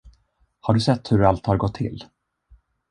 Har du sett hur allt har gått till?